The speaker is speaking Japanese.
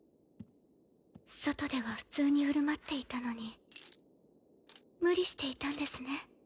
外では普通に振る舞っていたのに無理していたんですね。